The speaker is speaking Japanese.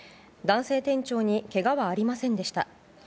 男性店長にけがはありませんでした。